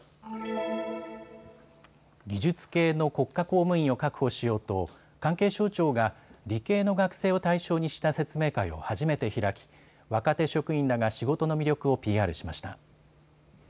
技術系の国家公務員を確保しようと関係省庁が理系の学生を対象にした説明会を初めて開き若手職員らが仕事の魅力をＰＲしました。